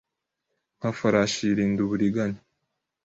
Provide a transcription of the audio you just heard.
Nka farashi yirinda uburiganya